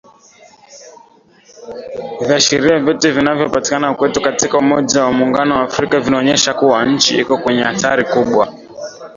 Viashiria vyote vinavyopatikana kwetu katika umoja wa muungano wa afrika vinaonyesha kuwa nchi iko kwenye hatari kubwa.